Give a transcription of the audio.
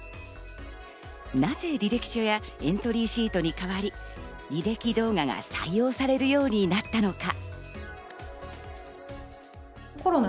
なぜ履歴書やエントリーシートに代わり、履歴動画が採用されるようになったのか。